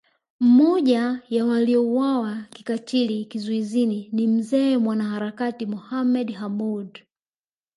Mmoja ya waliouawa kikatili kizuizini ni Mzee mwanaharakati Mohamed Hamoud